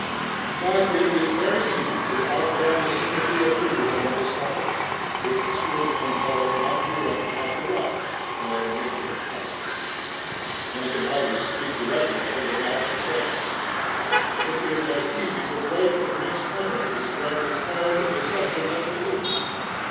But it is very easy to outrun the sympathy of readers on this topic, which schoolmen called natura naturata, or nature passive. One can hardly speak directly of it without excess. It is as easy to broach in mixed companies what is called "the subject of religion."